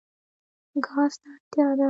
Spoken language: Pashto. ګازو ته اړتیا ده.